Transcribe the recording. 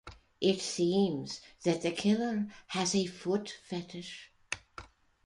It seems that the killer has a foot fetish.